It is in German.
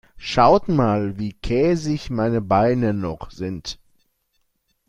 Schaut mal, wie käsig meine Beine noch sind.